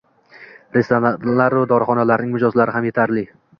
Restoranlaru dorixonalarning mijozlari ham yetarli.